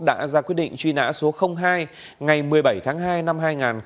đã ra quyết định truy nã số hai ngày một mươi bảy tháng hai năm hai nghìn một mươi